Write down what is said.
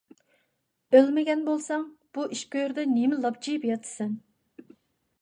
ئۆلمىگەن بولساڭ، بۇ ئىچ گۆردە نېمە لاپچىيىپ ياتىسەن؟